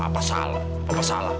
apa salah apa salah